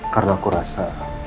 karena aku rasa